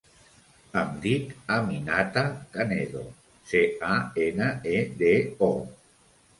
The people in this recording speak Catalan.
Em dic Aminata Canedo: ce, a, ena, e, de, o.